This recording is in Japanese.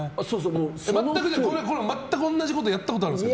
全く同じ事やったことあるんですか？